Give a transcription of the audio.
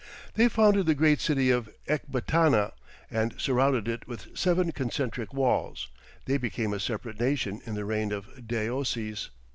They founded the great city of Ecbatana, and surrounded it with seven concentric walls. They became a separate nation in the reign of Deioces.